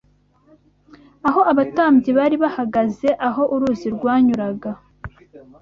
aho abatambyi bari bahagaze, aho uruzi rwanyuraga